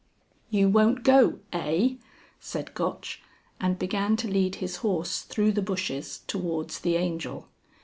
"You won't go, eigh!" said Gotch, and began to lead his horse through the bushes towards the Angel.